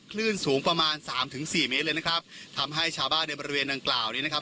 คลื่นสูงประมาณสามถึงสี่เมตรเลยนะครับทำให้ชาวบ้านในบริเวณดังกล่าวนี้นะครับ